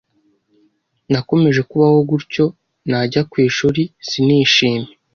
Nakomeje kubaho gutyo najya ku ishuri sinishime